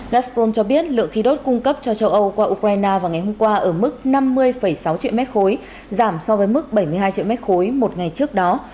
gasprom cho biết lượng khí đốt cung cấp cho châu âu qua ukraine vào ngày hôm qua ở mức năm mươi sáu triệu mét khối giảm so với mức bảy mươi hai triệu m ba một ngày trước đó